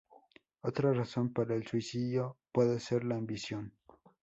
Otra razón para el suicidio puede ser la ambición.